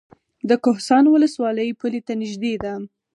د کهسان ولسوالۍ پولې ته نږدې ده